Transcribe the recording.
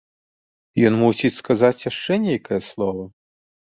Ён мусіць сказаць яшчэ нейкае слова?